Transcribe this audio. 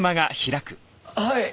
はい。